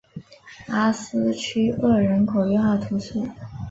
阿斯屈厄人口变化图示